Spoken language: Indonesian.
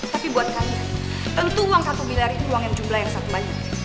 tapi buat kami tentu uang satu miliar ini uang yang jumlah yang sangat banyak